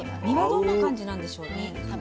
身はどんな感じなんでしょうね。